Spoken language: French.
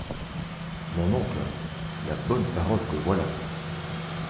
Mon oncle, la bonne parole que voilà!